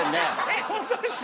えっ本当ですか？